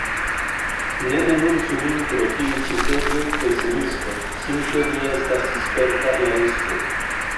Ne denuncu min pro tiu ĉi tezo pesimisto; simple mi estas sperta realisto.